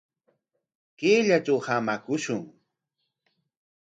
Kayllatraw hamakushun.